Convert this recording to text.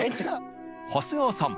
長谷川さん